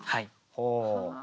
ほう。